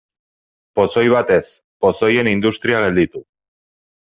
Pozoi bat ez, pozoien industria gelditu.